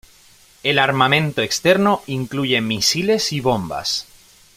El armamento externo incluye misiles y bombas.